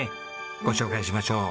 ご紹介しましょう。